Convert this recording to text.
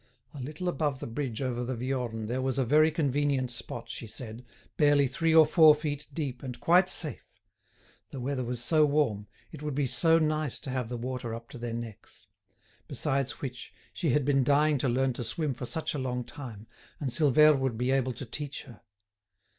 A little above the bridge over the Viorne there was a very convenient spot, she said, barely three or four feet deep and quite safe; the weather was so warm, it would be so nice to have the water up to their necks; besides which, she had been dying to learn to swim for such a long time, and Silvère would be able to teach her.